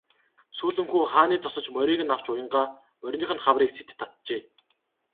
Сүүлэн хүү хааны тосож морийг нь авч уянгаа мориных нь хамрыг сэт татжээ.